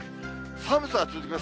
寒さが続きます。